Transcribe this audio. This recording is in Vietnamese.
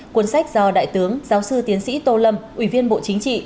cuốn sách do đại tướng giáo sư tiến sĩ tô lâm ủy viên bộ chính trị